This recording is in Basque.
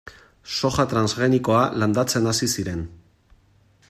Soja transgenikoa landatzen hasi ziren.